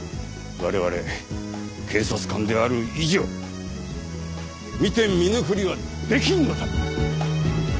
我々警察官である以上見て見ぬふりはできんのだ！